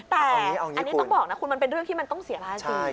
แต่อันนี้ต้องบอกนะคุณมันเป็นเรื่องที่มันต้องเสียภาษี